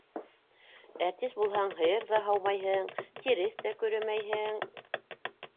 Әртис булһаң, һыйыр ҙа һаумайһың, тиреҫ тә көрәмәйһең!